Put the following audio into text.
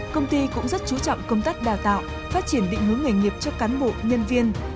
công ty cũng rất chú trọng công tác đào tạo phát triển định hướng nghề nghiệp cho cán bộ nhân viên